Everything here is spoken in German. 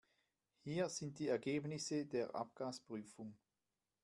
Hier sind die Ergebnisse der Abgasprüfung.